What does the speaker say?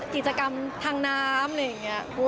กิจกรรมทางน้ำอะไรอย่างนี้